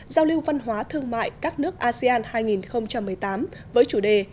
giao lưu văn hóa thương mại các nước asean hai nghìn một mươi tám với chủ đề